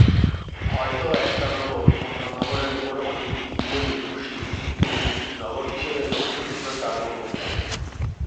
হয়তো একটা নগর অন্য নগরের উপর অনেক দিক দিয়ে নির্ভরশীল কিন্তু নগর হিসেবে প্রত্যেকে ছিল সার্ভভৌম।